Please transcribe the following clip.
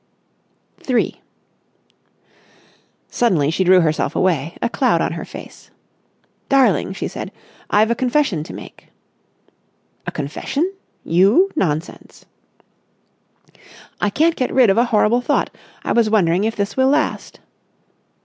§ 3 Suddenly she drew herself away, a cloud on her face. "Darling," she said, "I've a confession to make." "A confession? You? Nonsense!" "I can't get rid of a horrible thought. I was wondering if this will last."